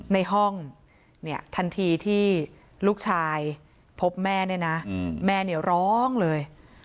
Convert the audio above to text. ในห้องเนี่ยทันทีที่ลูกชายพบแม่เนี่ยนะแม่เนี่ยร้องเลย